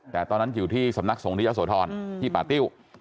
แต่ตอนนั้นอยู่ที่สำนักสงฆ์ที่ยะโสธรที่ป่าติ้ว